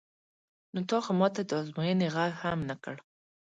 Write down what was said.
نو تا خو ما ته د ازموینې غږ هم نه کړ.